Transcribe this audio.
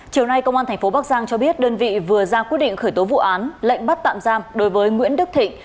chiều nay công an tp bắc giang cho biết đơn vị vừa ra quyết định khởi tố vụ án lệnh bắt tạm giam đối với nguyễn đức thịnh